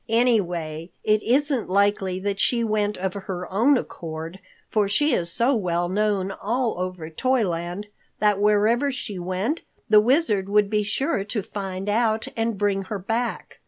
Anyway, it isn't likely that she went of her own accord, for she is so well known all over Toyland that wherever she went, the Wizard would be sure to find it out and bring her back.